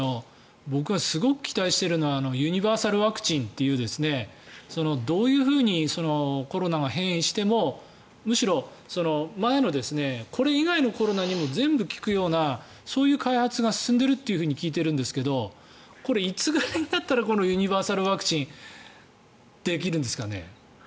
僕がすごく期待しているのはユニバーサルワクチンというどういうふうにコロナが変異してもむしろ前のこれ以外のコロナにも全部効くようなそういう開発が進んでいるって聞いているんですけどこれ、いつぐらいになったらユニバーサルワクチンができるんですかね。